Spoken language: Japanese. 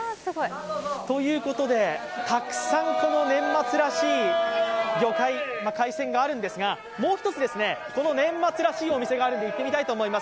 ということで、たくさん年末らしい魚介、海鮮があるんですが、もう一つ、この年末らしいお店があるので行ってみたいと思います。